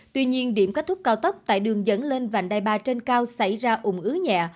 tuy nhiên điểm kết thúc cao tốc tại đường dẫn lên vành đai ba trên cao xảy ra ủng ứ nhẹ